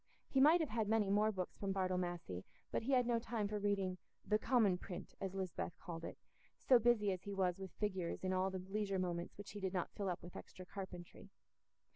He might have had many more books from Bartle Massey, but he had no time for reading "the commin print," as Lisbeth called it, so busy as he was with figures in all the leisure moments which he did not fill up with extra carpentry.